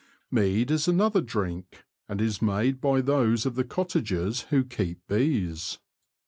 Mead is another drink, and is made by those of the cottagers who keep bees.